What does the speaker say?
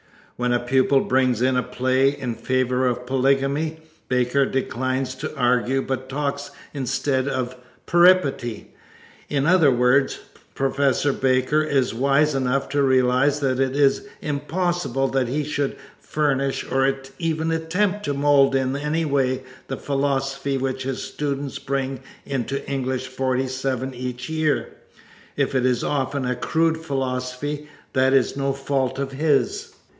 When a pupil brings in a play in favor of polygamy, Baker declines to argue but talks instead about peripety. In other words, Professor Baker is wise enough to realize that it is impossible that he should furnish, or even attempt to mold in any way, the philosophy which his students bring into English 47 each year. If it is often a crude philosophy that is no fault of his.